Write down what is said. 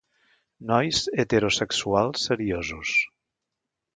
Nois heterosexuals seriosos.